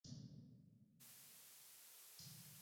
احمدشاه ابدالي لاهور ته رسېدلی دی.